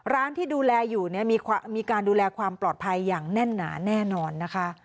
ร้านที่ดูแลอยู่เนี่ยมีการดูแลความปลอดภัยอย่างแน่นหนาแน่นอนนะคะ